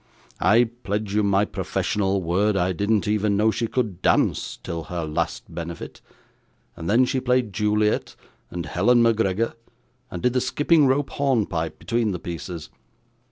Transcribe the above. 'I pledge you my professional word I didn't even know she could dance, till her last benefit, and then she played Juliet, and Helen Macgregor, and did the skipping rope hornpipe between the pieces.